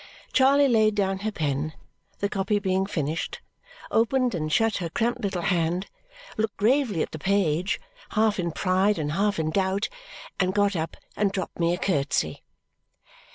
Charley laid down her pen, the copy being finished, opened and shut her cramped little hand, looked gravely at the page, half in pride and half in doubt, and got up, and dropped me a curtsy.